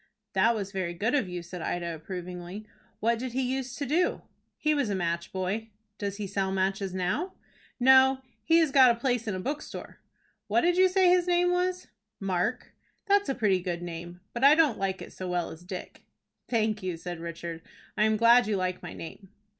"That was very good of you," said Ida, approvingly. "What did he use to do?" "He was a match boy." "Does he sell matches now?" "No; he has got a place in a bookstore." "What did you say his name was?" "Mark." "That's a pretty good name, but I don't like it so well as Dick." "Thank you," said Richard. "I am glad you like my name."